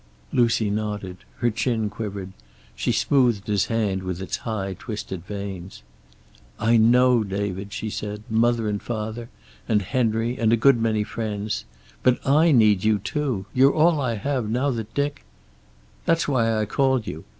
Lucy nodded. Her chin quivered. She smoothed his hand, with its high twisted veins. "I know, David," she said. "Mother and father, and Henry, and a good many friends. But I need you, too. You're all I have, now that Dick " "That's why I called you.